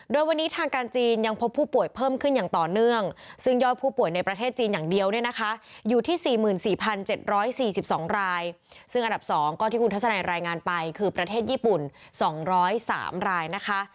โดยวันนี้ทางการจีนยังพบผู้ป่วยเพิ่มขึ้นอย่างต่อเนื่องซึ่งยอดผู้ป่วยในประเทศจีนอย่างเดียวเนี่ยนะคะอยู่ที่๔๔๗๔๒รายซึ่งอันดับ๒ก็ที่คุณทัศนัยรายงานไปคือประเทศญี่ปุ่น๒๐๓รายนะคะ